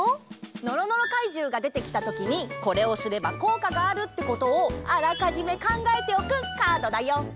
のろのろかいじゅうがでてきたときにこれをすればこうかがあるってことをあらかじめ考えておくカードだよ。